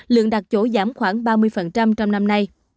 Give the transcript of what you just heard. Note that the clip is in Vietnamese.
lượng đặt chỗ giảm khoảng ba mươi trong năm nay